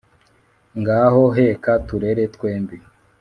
ngaho heka turere twembi